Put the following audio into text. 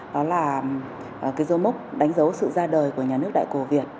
đó là cái dấu mốc đánh dấu sự ra đời của nhà nước đại cổ việt